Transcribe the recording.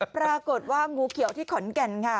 ปรากฏว่างูเขียวที่ขอนแก่นค่ะ